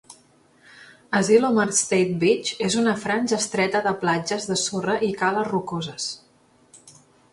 Asilomar State Beach és una franja estreta de platges de sorra i cales rocoses.